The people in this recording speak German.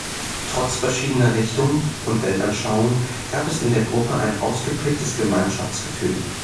Trotz verschiedener Richtungen und Weltanschauungen gab es in der Gruppe ein ausgeprägtes Gemeinschaftsgefühl.